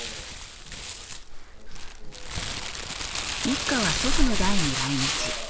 一家は祖父の代に来日。